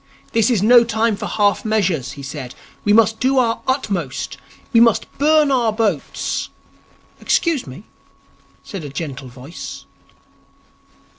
'This is no time for half measures,' he said. 'We must do our utmost. We must burn our boats ' 'Excuse me,' said a gentle voice.